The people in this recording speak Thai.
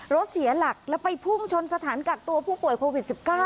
รถเสียหลักแล้วไปพุ่งชนสถานกักตัวผู้ป่วยโควิด๑๙